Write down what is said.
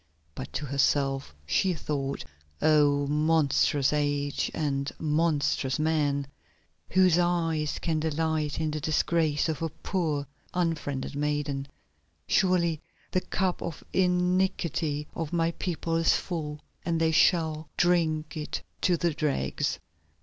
But to herself she thought: "Oh! monstrous age, and monstrous men, whose eyes can delight in the disgrace of a poor unfriended maiden. Surely the cup of iniquity of my people is full, and they shall drink it to the dregs!"